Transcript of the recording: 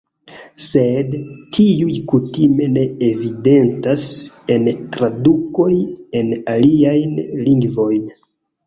Sed tiuj kutime ne evidentas en tradukoj en aliajn lingvojn.